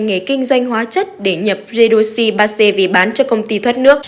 ngoài ra công ty arkatic đã đăng ký thêm ngành kinh doanh hóa chất để nhập reduxi ba c về bán cho công ty thoát nước